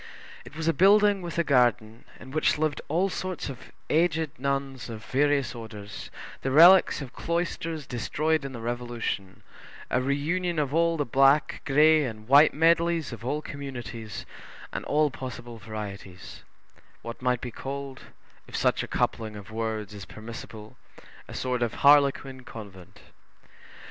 It was a building with a garden, in which lived all sorts of aged nuns of various orders, the relics of cloisters destroyed in the Revolution; a reunion of all the black, gray, and white medleys of all communities and all possible varieties; what might be called, if such a coupling of words is permissible, a sort of harlequin convent.